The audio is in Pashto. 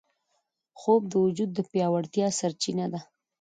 خوب د وجود د پیاوړتیا سرچینه ده